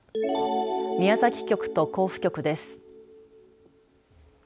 宮崎局と甲府局です。